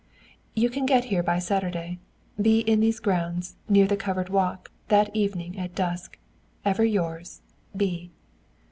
You can get here by Saturday. Be in these grounds, near the covered walk, that evening at dusk. Ever yours, "B."